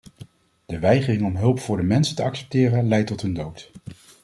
De weigering om hulp voor de mensen te accepteren leidt tot hun dood.